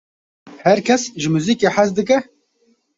Her kes ji muzîkê hez dike?